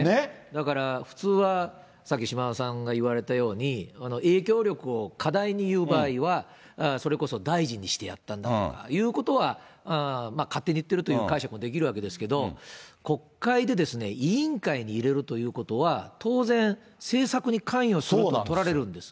だから普通は、さっき島田さんが言われたように、影響力を過大に言う場合は、それこそ大臣にしてやったんだということは、勝手に言ってるという解釈もできるわけですけれども、国会で委員会に入れるということは、当然、政策に関与するととられるんです。